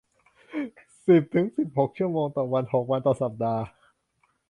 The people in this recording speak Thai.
สิบถึงสิบหกชั่วโมงต่อวัน หกวันต่อสัปดาห์